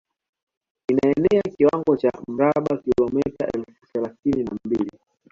Inaenea kiwango cha mraba kilometa elfu thelathini na mbili